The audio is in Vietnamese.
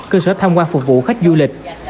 cho tham quan phục vụ khách du lịch